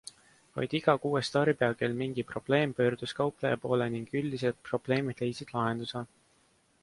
Vaid iga kuues tarbija, kel mingi probleem, pöördus kaupleja poole ning üldiselt probleemid leidsid lahenduse.